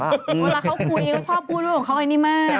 เวลาเขาคุยก็ชอบพูดรูปของเขาอันนี้มาก